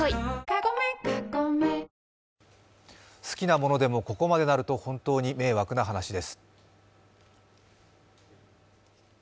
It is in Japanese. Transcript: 好きなものでもここまでなると本当に迷惑な話です。